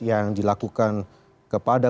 yang dilakukan kepada